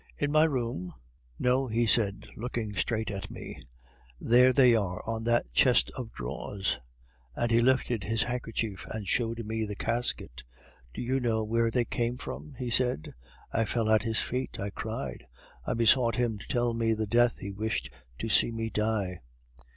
'In my room ' 'No,' he said, looking straight at me, 'there they are on that chest of drawers ' and he lifted his handkerchief and showed me the casket. 'Do you know where they came from?' he said. I fell at his feet.... I cried; I besought him to tell me the death he wished to see me die."